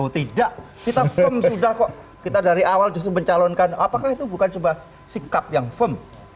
tidak kita firm sudah kok kita dari awal justru mencalonkan apakah itu bukan sebuah sikap yang firm